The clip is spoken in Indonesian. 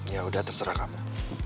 ya udah terserah kamu